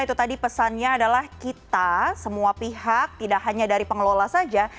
itu tadi pesannya adalah kita semua pihak tidak hanya dari pengelola saja